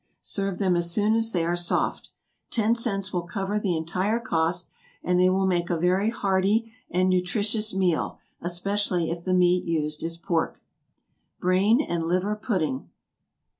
Serve them as soon as they are soft. Ten cents will cover the entire cost, and they will make a very hearty and nutritious meal, especially if the meat used is pork. =Brain and Liver Pudding.